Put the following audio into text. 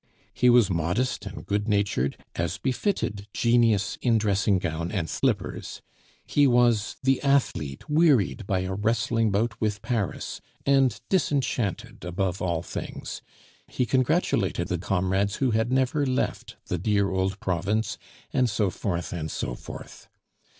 He was modest and good natured, as befitted genius in dressing gown and slippers; he was the athlete, wearied by a wrestling bout with Paris, and disenchanted above all things; he congratulated the comrades who had never left the dear old province, and so forth, and so forth.